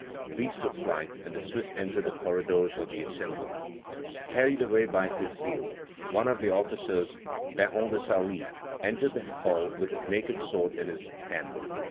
These took flight, and the Swiss entered the corridors of the Assembly. Carried away by his zeal, one of their officers, Baron de Salis, entered the hall with his naked sword in his hand.